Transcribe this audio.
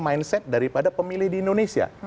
mindset daripada pemilih di indonesia